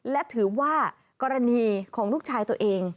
และถือว่ากรณีของลูกชายตัวเอง